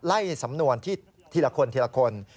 ไล่สำนวนที่ทีละคน